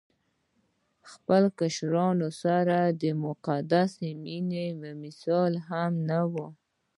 خپلو کشرانو سره د مقدسې مينې مثال يې هم نه وو